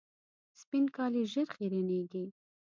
سپین کالي ژر خیرنېږي.